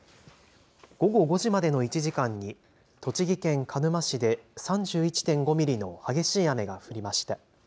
午後５時までの１時間に栃木県鹿沼市で３１．５ミリの激しい雨が降りました。